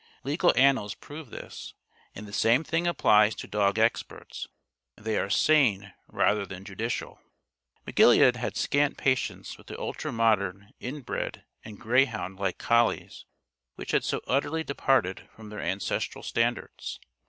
Legal annals prove this; and the same thing applies to dog experts. They are sane rather than judicial. McGilead had scant patience with the ultra modern, inbred and grayhoundlike collies which had so utterly departed from their ancestral standards.